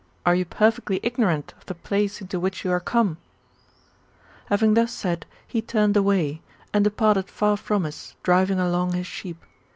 Are you perfectly ignorant of the place into which you are come ?" Having thus said, he turned away, and departed far from us, driving along his sheep.